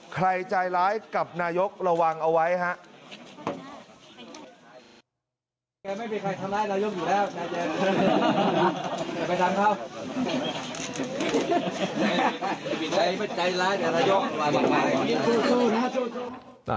ใจร้ายกับนายกระวังเอาไว้ครับ